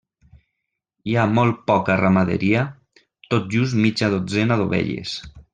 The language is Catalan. Hi ha molt poca ramaderia: tot just mitja dotzena d'ovelles.